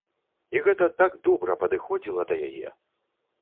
І гэта так добра падыходзіла да яе!